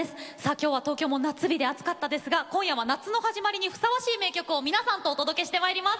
今日は東京も夏日で暑かったですが今夜は夏の始まりにふさわしい名曲を皆さんとお届けしてまいります。